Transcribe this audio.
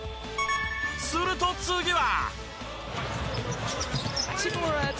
すると次は。